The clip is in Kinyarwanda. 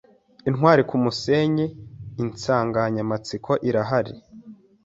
intwari kumusenyi insanganyamatsiko irahari